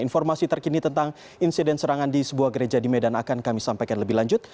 informasi terkini tentang insiden serangan di sebuah gereja di medan akan kami sampaikan lebih lanjut